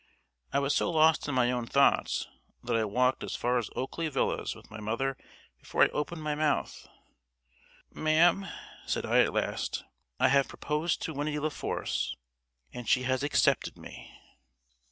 I was so lost in my own thoughts that I walked as far as Oakley Villa with my mother before I opened my mouth. "Mam," said I at last, "I have proposed to Winnie La Force, and she has accepted me."